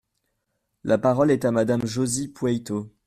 La parole est à Madame Josy Poueyto.